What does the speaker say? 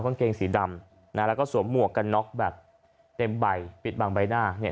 กางเกงสีดำนะฮะแล้วก็สวมหมวกกันน็อกแบบเต็มใบปิดบางใบหน้าเนี่ย